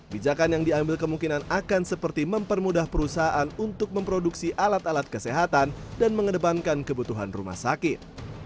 bijakan yang diambil kemungkinan akan seperti mempermudah perusahaan untuk memproduksi alat alat kesehatan dan mengedepankan kebutuhan rumah sakit